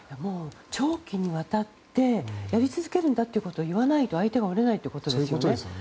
長期にわたってやり続けるんだということを言わないと相手は折れないということですよね。